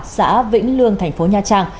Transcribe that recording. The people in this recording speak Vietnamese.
xã vĩnh lương thành phố nha trang